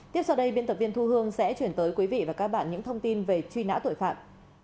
tiếp sau đây biên tập viên thu hương sẽ chuyển tới quý vị và các bạn những thông tin về truy nã tội phạm